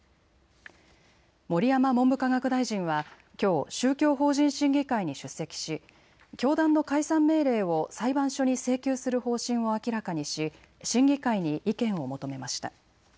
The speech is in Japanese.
盛山文部科学大臣はきょう宗教法人審議会に出席し教団の解散命令を裁判所に請求する方針を明らかにし審議会に意見を求めました。